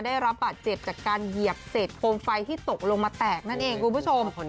ได้รับบาดเจ็บจากการเหยียบเศษโคมไฟที่ตกลงมาแตกนั่นเองคุณผู้ชม